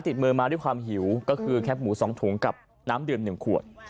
ติดมือมาด้วยความหิวก็คือแคปหมู๒ถุงกับน้ำดื่ม๑ขวด